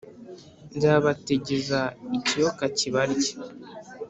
nzabategeza ikiyoka kibarye.